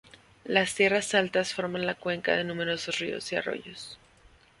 Las tierras altas forman la cuenca de numerosos ríos y arroyos.